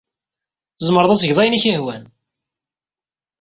Tzemreḍ ad tgeḍ ayen i k-yehwan.